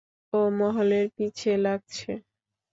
ও মহলের পিছে লাগছে।